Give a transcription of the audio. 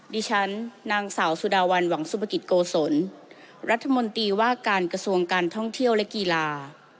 ดิฉันนางสาวสุดาวันหวังสุภกิจโกศลรัฐมนตรีว่าการกระทรวงการท่องเที่ยวและกีฬา